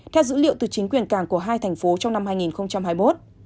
theo dữ liệu từ chính quyền cảng của hai thành phố trong năm hai nghìn hai mươi một